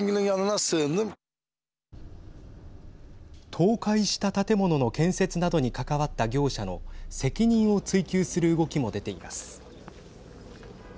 倒壊した建物の建設などに関わった業者の責任を追及する動きも出ています。